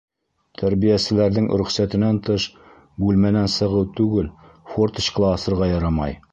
Тәрбиәселәрҙең рөхсәтенән тыш бүлмәнән сығыу түгел, форточка ла асырға ярамай.